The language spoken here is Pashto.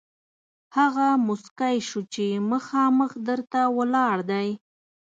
هغه موسکی شو چې مخامخ در ته ولاړ دی.